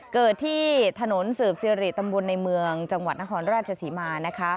เกิดที่ถนนสืบสิริตำบลในเมืองจังหวัดนครราชศรีมานะคะ